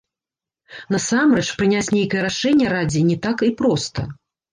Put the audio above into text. Насамрэч, прыняць нейкае рашэнне радзе не так і проста.